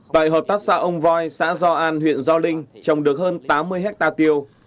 tại hợp tác xã ông voi xã do an huyện gio linh trồng được hơn tám mươi hectare tiêu